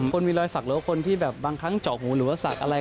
คนมีรอยสักหรือว่าคนที่แบบบางครั้งเจาะหูหรือว่าสักอะไร